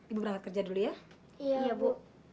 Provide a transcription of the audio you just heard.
ibu berangkat kerja dulu ya iya bu